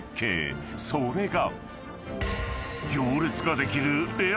［それが］